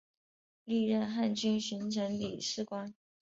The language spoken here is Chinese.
历任汉军巡城理事官。